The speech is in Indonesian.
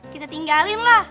kita tinggalin lah